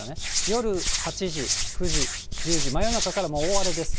夜８時、９時、１０時、真夜中から大荒れです。